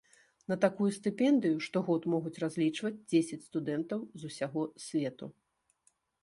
На такую стыпендыю штогод могуць разлічваць дзесяць студэнтаў з усяго свету.